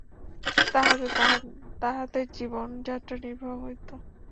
তাহাতে তাঁহাদের জীবনযাত্রা নির্বাহ হইত।